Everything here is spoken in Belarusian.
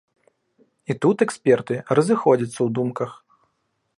І тут эксперты разыходзяцца ў думках.